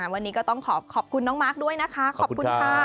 วันนี้ก็ต้องขอขอบคุณน้องมาร์คด้วยนะคะขอบคุณค่ะ